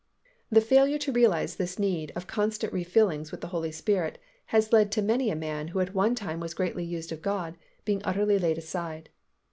The failure to realize this need of constant refillings with the Holy Spirit has led to many a man who at one time was greatly used of God, being utterly laid aside.